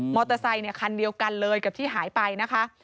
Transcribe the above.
อเตอร์ไซคันเดียวกันเลยกับที่หายไปนะคะ